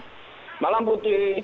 selamat malam putri